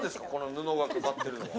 布がかかってるの。